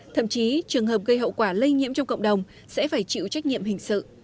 thậm chí trường hợp gây hậu quả lây nhiễm trong cộng đồng sẽ phải chịu trách nhiệm hình sự